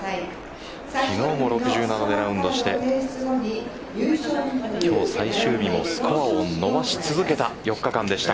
昨日も６７でラウンドして今日、最終日もスコアを伸ばし続けた４日間でした。